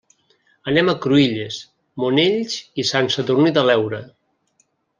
Anem a Cruïlles, Monells i Sant Sadurní de l'Heura.